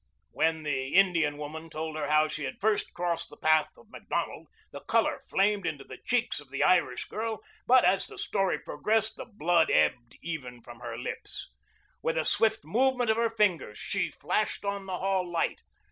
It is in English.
When the Indian woman told how she had first crossed the path of Macdonald, the color flamed into the cheeks of the Irish girl, but as the story progressed, the blood ebbed even from her lips. With a swift movement of her fingers she flashed on the hall light.